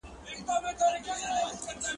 يو ماشوم لس افغانۍ لري.